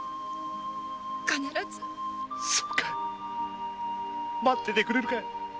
そうか待っててくれるかい。